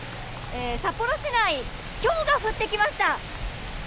札幌市内ひょうが降ってきました。